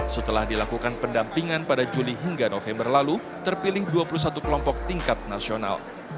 setelah dilakukan pendampingan pada juli hingga november lalu terpilih dua puluh satu kelompok tingkat nasional